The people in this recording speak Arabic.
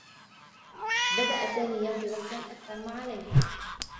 بدأ سامي يمضي وقتا أكثر مع ليلى.